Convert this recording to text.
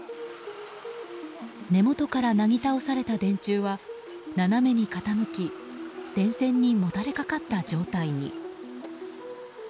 根元からなぎ倒された電柱は斜めに傾き電線にもたれかかった状態に。